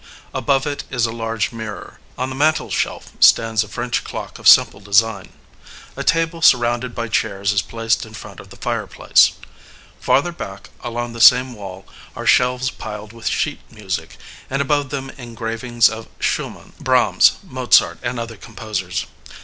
Above it is a large mirror. On the mantelshelf stands a French clock of simple design. A table surrounded by chairs is placed in front of the fireplace. Farther back along the same wall are shelves piled with sheet music, and above them engravings of Schumann, Brahms, Mozart, and other composers.